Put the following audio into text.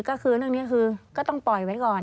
ก็คือเรื่องนี้คือก็ต้องปล่อยไว้ก่อน